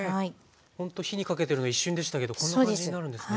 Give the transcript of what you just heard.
ほんと火にかけてるの一瞬でしたけどこんな感じになるんですね。